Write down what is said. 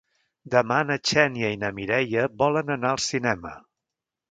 Demà na Xènia i na Mireia volen anar al cinema.